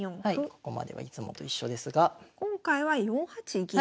ここまではいつもと一緒ですが今回は４八銀。